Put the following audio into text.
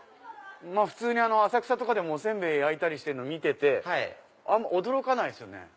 普通に浅草とかでもお煎餅焼いてるの見ててあんま驚かないですよね。